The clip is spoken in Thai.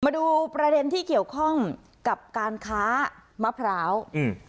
มาดูประเด็นที่เกี่ยวข้องกับการค้ามะพร้าวอืม